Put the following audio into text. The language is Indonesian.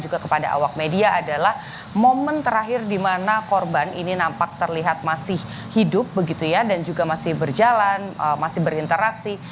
juga kepada awak media adalah momen terakhir di mana korban ini nampak terlihat masih hidup begitu ya dan juga masih berjalan masih berinteraksi